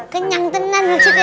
kenyang tenan hajjit ya